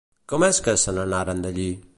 Com és que se n'anaren d'allí?